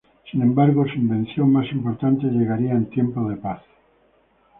Sin embargo, su invención más importante llegaría en tiempos de paz.